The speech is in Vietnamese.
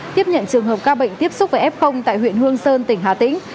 tiếp nhận trường hợp ca bệnh tiếp xúc với f tại huyện hương sơn tỉnh hà tĩnh